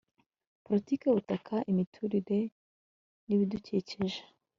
politike y'ubutaka, imiturire n'ibidukikije